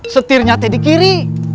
setirnya tadi kiri